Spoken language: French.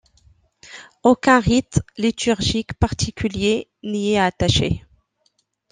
Aucun rite liturgique particulier n'y est attaché.